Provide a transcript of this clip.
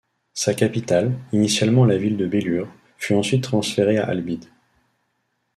Sa capitale, initialement la ville de Belur, fut ensuite transférée à Halebid.